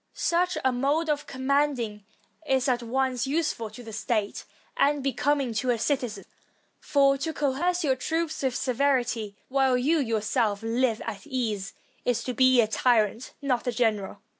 Such a mode of com 3S6 MARIUS TO THE ROMAN PEOPLE manding is at once useful to the state and becoming to a citizen. For to coerce your troops with severity while you yourself live at ease, is to be a tyrant, not a general.